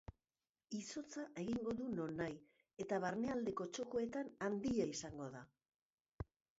Izotza egingo du nonahi eta barnealdeko txokoetan handia izango da.